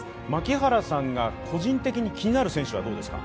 槙原さんが個人的に気になる選手は、どうですか。